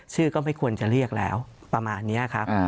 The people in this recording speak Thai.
ก็ไม่ควรจะเรียกแล้วประมาณนี้ครับ